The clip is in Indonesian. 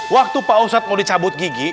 waktu pak ustadz mau dicabut gigi